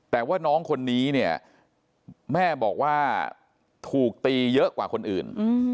แต่ว่าน้องคนนี้เนี่ยแม่บอกว่าถูกตีเยอะกว่าคนอื่น